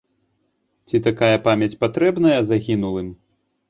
Ці такая памяць патрэбная загінулым?